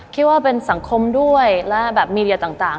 คิดว่าเป็นสังคมด้วยและแบบมีเดียต่าง